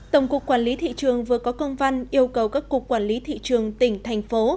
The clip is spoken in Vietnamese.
tổng cục quản lý thị trường vừa có công văn yêu cầu các cục quản lý thị trường tỉnh thành phố